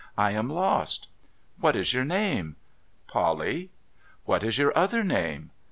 ' I am lost.' ' What is your name ?'' Polly.' ' What is your other name